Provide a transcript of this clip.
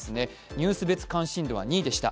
ニュース別関心度は２位でした。